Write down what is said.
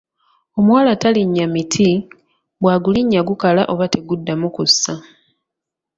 Omuwala talinnya miti, bw’agulinnya gukala oba teguddamu kussa.